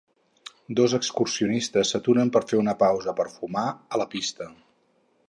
Dos excursionistes s'aturen per fer una pausa per fumar a la pista.